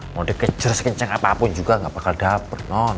mau dia kejar sekenceng apapun juga gak bakal dapet non